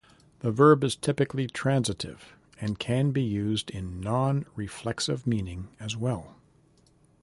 The verb is typically transitive and can be used in non-reflexive meaning as well.